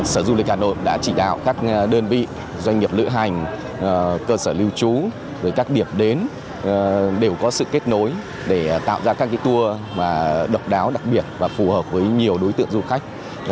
sở du lịch hà nội đã chỉ đạo các đơn vị doanh nghiệp lựa hành cơ sở lưu trú các điểm đến đều có sự kết nối để tạo ra các tour độc đáo đặc biệt và phù hợp với nhiều đối tượng du khách